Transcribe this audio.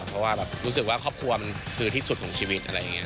เพราะว่ารู้สึกว่าครอบครัวมันคือที่สุดของชีวิตอะไรอย่างนี้